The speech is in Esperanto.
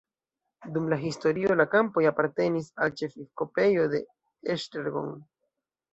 Dum la historio la kampoj apartenis al ĉefepiskopejo de Esztergom.